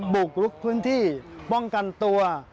บุกลุกพื้นที่ป้องกันตัว